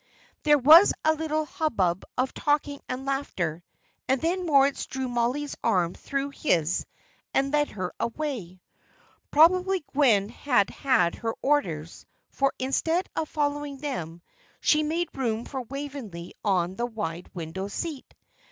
There was a little hubbub of talking and laughter, and then Moritz drew Mollie's arm through his and led her away. Probably Gwen had had her orders, for, instead of following them, she made room for Waveney on the wide window seat.